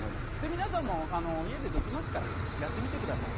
皆さんも家でできますからやってみてください。